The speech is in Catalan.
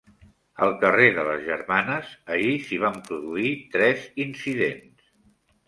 Al carrer de les Germanes, ahir s'hi van produir tres incidents.